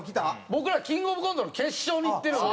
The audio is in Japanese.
僕らキングオブコントの決勝に行ってるんで。